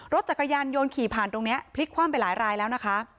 รถจักรยานยนต์ขี่ผ่านตรงนี้พลิกคว่ำไปหลายรายแล้วนะคะ